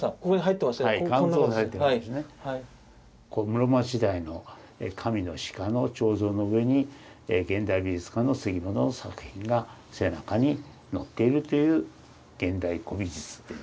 室町時代の神の鹿の彫像の上に現代美術家の杉本の作品が背中にのっているという現代古美術っていうんですかね。